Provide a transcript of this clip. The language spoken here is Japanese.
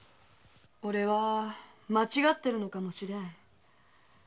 俺は間違っているのかもしれん。